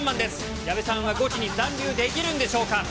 矢部さんはゴチに残留できるんでしょうか。